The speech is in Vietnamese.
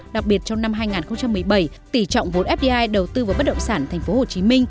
đặc biệt trong năm hai nghìn một mươi bảy tỷ trọng vốn fdi đầu tư vào bất động sản tp hcm